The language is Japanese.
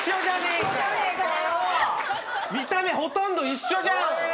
見た目ほとんど一緒じゃん！